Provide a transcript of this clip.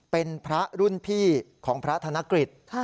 เป็นพระรุ่นพี่ของพระธนกฤษ